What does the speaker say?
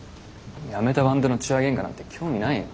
やめたバンドの痴話げんかなんて興味ないよ。